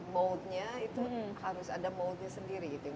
mold nya itu harus ada mold nya sendiri gitu